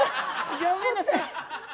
ギョめんなさい。